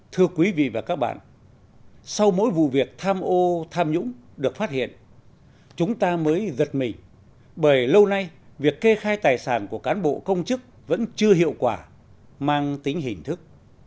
thưa quý vị và các bạn sau mỗi vụ việc tham ô tham nhũng được phát hiện chúng ta mới giật mình bởi lâu nay việc kê khai tài sản của cán bộ công chức vẫn chưa hiệu quả mang tính hình thức